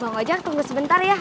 bang ojek tunggu sebentar ya